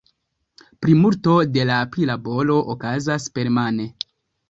Plimulto de la prilaboro okazas permane.